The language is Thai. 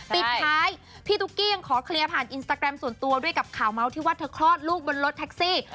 ปิดท้ายพี่ตุ๊กกี้ยังขอเคลียร์ผ่านอินสตาแกรมส่วนตัวด้วยกับข่าวเมาส์ที่ว่าเธอคลอดลูกบนรถแท็กซี่